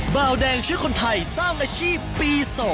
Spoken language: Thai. เบาแดงช่วยคนไทยสร้างอาชีพปี๒